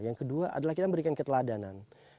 yang kedua adalah kita memberikan keteladanan